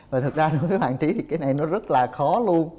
và thật ra đối với hoàng trí thì cái này nó rất là khó luôn